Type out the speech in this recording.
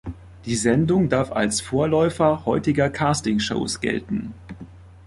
Die Sendung darf als Vorläufer heutiger Castingshows gelten.